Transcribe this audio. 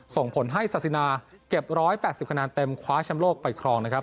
ส่งผลให้ศาสินาเก็บ๑๘๐คะแนนเต็มคว้าแชมป์โลกไปครองนะครับ